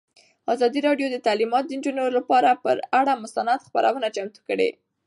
ازادي راډیو د تعلیمات د نجونو لپاره پر اړه مستند خپرونه چمتو کړې.